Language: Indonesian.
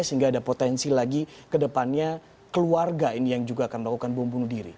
sehingga ada potensi lagi kedepannya keluarga ini yang juga akan melakukan buah bunuh diri